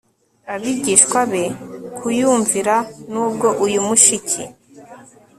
abigishwa be kuyumvira Nubwo uyu mushiki